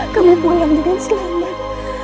kamu pulang dengan selamat